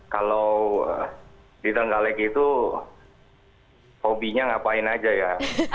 kalau di tenggalek itu hobinya ngapain aja ya